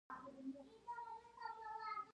یو سل او دوه اویایمه پوښتنه اندیکاتور دی.